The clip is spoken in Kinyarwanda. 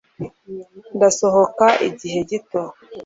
ndasohoka igihe gito